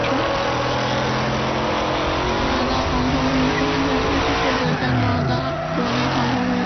加拿大航空运输安全局是负责加拿大国内空中运输安全的机构。